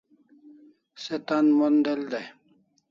Se tan Mon del dai